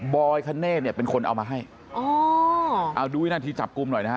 บอยคเน่เนี่ยเป็นคนเอามาให้อ๋อเอาดูไว้นั่นที่จับกุมหน่อยนะครับ